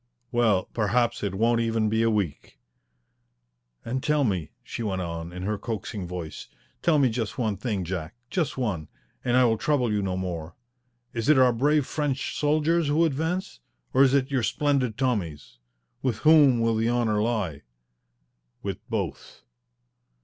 "Well, perhaps it won't even be a week." "And tell me," she went on, in her coaxing voice, "tell me just one thing, Jack. Just one, and I will trouble you no more. Is it our brave French soldiers who advance? Or is it your splendid Tommies? With whom will the honour lie?" "With both."